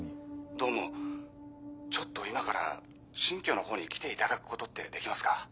どうもちょっと今から新居のほうに来ていただくことってできますか？